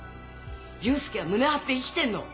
佑介は胸張って生きてんの！